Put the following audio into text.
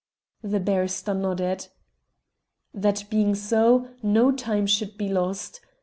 The barrister nodded. "That being so, no time should be lost.